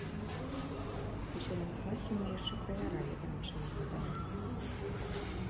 У сёмым класе мы яшчэ правяралі дамашняе заданне.